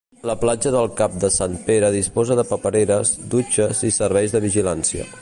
La Platja del Cap de Sant Pere disposa de papereres, dutxes i servei de vigilància.